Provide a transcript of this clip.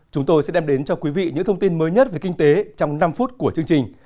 chúng tôi sẽ đem đến cho quý vị những thông tin mới nhất về kinh tế trong năm phút của chương trình